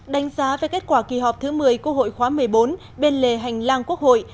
đánh giá về kết quả kỳ họp thứ một mươi quốc hội khóa một mươi bốn bên lề hành lang quốc hội